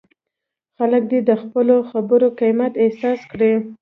خلک دې د خپلو خبرو قیمت احساس کړي.